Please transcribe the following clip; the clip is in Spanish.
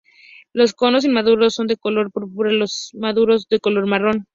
Los conos inmaduros son de color púrpura, los maduros de color marrón.